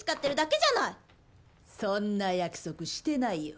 そんな約束してないよ。